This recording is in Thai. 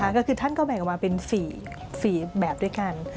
ก็คือท่านก็แบ่งออกมาเป็น๔แบบด้วยกัน